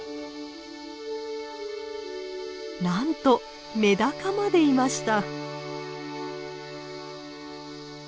なんとメダカまでいました！